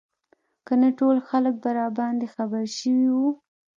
که نه ټول خلک به راباندې خبر شوي وو.